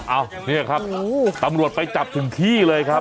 เนี่ยครับตำรวจไปจับถึงที่เลยครับ